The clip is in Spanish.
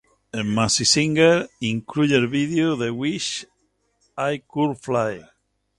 El maxi-single incluye el vídeo de "Wish I Could Fly".